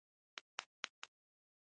کلتوري انقلاب شپاړس مهم ټکي لرل.